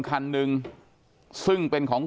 คันหนึ่งซึ่งเป็นของ